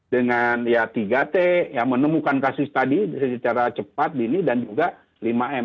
dengan ya tiga t ya menemukan kasus tadi secara cepat dini dan juga lima m